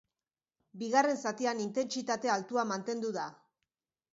Bigarren zatian intentsitate altua mantendu da.